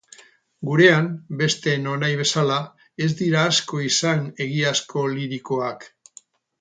Gurean, beste nonahi bezala, ez dira asko izan egiazko lirikoak.